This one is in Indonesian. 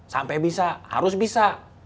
sampai bisa harus bisa